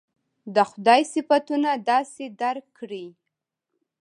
د خدای صفتونه داسې درک کړي.